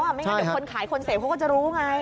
ไม่งั้นเดี๋ยวคนขายคนเสพเขาก็จะรู้ไง